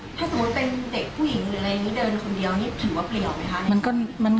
ถ้าสมมุติเป็นเด็กผู้หญิงหรืออะไรอย่างนี้เดินคนเดียวนี่ถือว่าเปลี่ยวไหมคะ